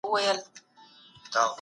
د څیړنې پروسه ارزانۍ او وخت غوښتنه لري.